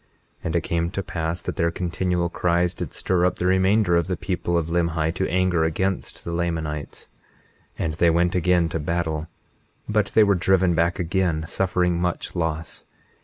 21:11 And it came to pass that their continual cries did stir up the remainder of the people of Limhi to anger against the Lamanites; and they went again to battle, but they were driven back again, suffering much loss.